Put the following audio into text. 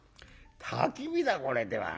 たき火だこれではあ。